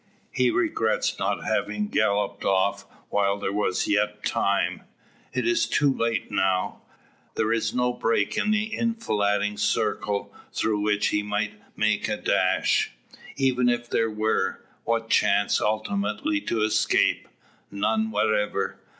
He regrets not having galloped off while there was yet time. It is too late now. There is not a break in the enfilading circle through which he might make a dash. Even if there were, what chance ultimately to escape? None whatever.